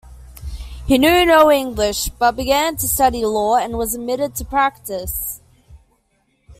He knew no English, but began to study law and was admitted to practice.